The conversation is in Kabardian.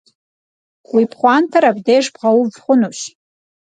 Vui pxhuanter abdêjj bğeuv xhunuş.